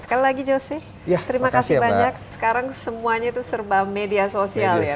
sekali lagi jose terima kasih banyak sekarang semuanya itu serba media sosial ya